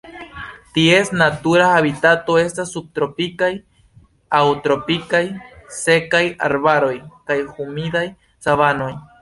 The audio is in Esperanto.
Ties natura habitato estas subtropikaj aŭ tropikaj sekaj arbaroj kaj humidaj savanoj.